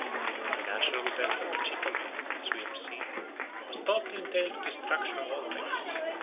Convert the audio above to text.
The natural death of the Chitomé, as we have seen, was thought to entail the destruction of all things.